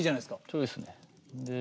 そうですね。